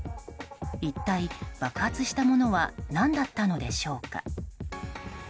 一体、爆発したものは何だったのでしょうか？